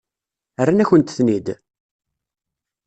Rran-akent-ten-id?